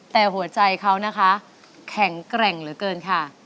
แต่หัวใจเขานะคะแข็งแกร่งเหลือเกินค่ะ